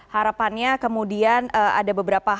harapannya kemudian ada beberapa hal yang pasti penegakannya